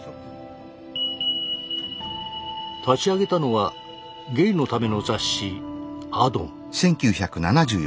立ち上げたのはゲイのための雑誌「アドン」。